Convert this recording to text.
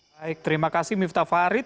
baik terima kasih miftah farid